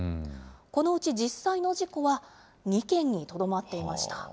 このうち実際の事故は２件にとどまっていました。